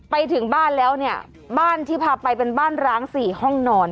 ไปถึงบ้านแล้วเนี่ยบ้านที่พาไปเป็นบ้านร้าง๔ห้องนอน